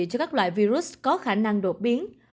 cho các loại virus có khả năng đột biến